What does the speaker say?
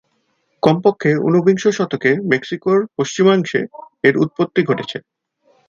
কমপক্ষে উনবিংশ শতকে মেক্সিকোর পশ্চিমাংশে এর উৎপত্তি ঘটেছে।